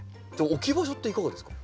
置き場所っていかがですか？